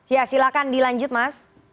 ya silakan dilanjut mas